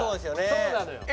そうなのよ。